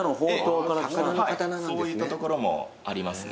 そういったところもありますね。